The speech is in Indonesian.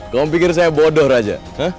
kamu pikir saya bodoh raja